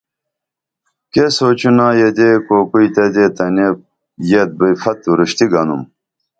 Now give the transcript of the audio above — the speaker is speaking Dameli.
کیہ سوچونا دیدے کوکوئی تہ دے تنیں یت بئی پھت اُروشتی گنُم